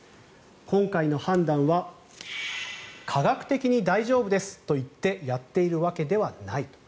今回の判断は科学的に大丈夫ですと言ってやっているわけではない。